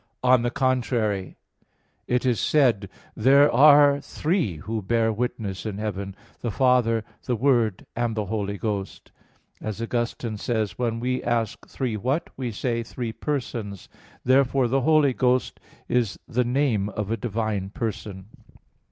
On the contrary, It is said (1 John 5:7): "There are three who bear witness in heaven, the Father, the Word, and the Holy Ghost." As Augustine says (De Trin. vii, 4): "When we ask, Three what? we say, Three persons." Therefore the Holy Ghost is the name of a divine person.